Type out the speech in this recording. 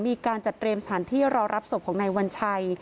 มีการจัดเตรียมสถานที่รอรับศพของนายวัญชัย